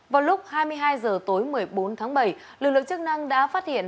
vào lúc hai mươi hai h tối một mươi bốn tháng bảy lực lượng chức năng đã phát hiện